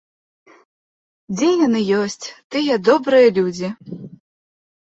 Дзе яны ёсць тыя добрыя людзі?